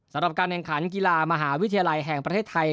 สำหรับการแข่งขันกีฬามหาวิทยาลัยแห่งประเทศไทย